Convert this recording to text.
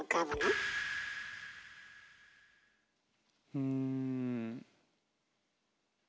うん。